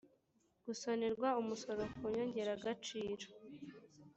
gusonerwa umusoro ku nyongeragaciro